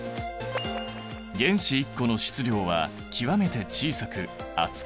原子１個の質量は極めて小さく扱いにくい。